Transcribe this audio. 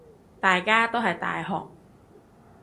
大家都係大學